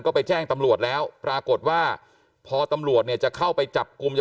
ก็ไปแจ้งตำรวจแล้วปรากฏว่าพอตำรวจเนี่ยจะเข้าไปจับกลุ่มจะ